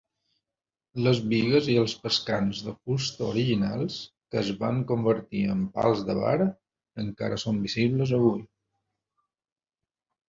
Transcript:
Les bigues i els pescants de fusta originals, que es van convertir en pals de bar, encara són visibles avui.